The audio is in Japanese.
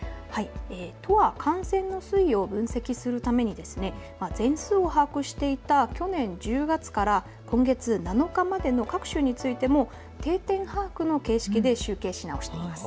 都は感染の推移を分析するために全数を把握していた去年１０月から今月７日までの各週についても定点把握の形式で集計し直しました。